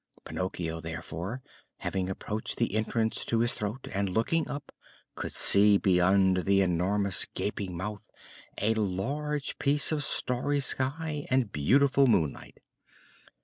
Pinocchio, therefore, having approached the entrance to his throat, and, looking up, could see beyond the enormous gaping mouth a large piece of starry sky and beautiful moonlight.